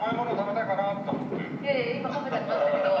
いやいや今パフェ食べましたけど。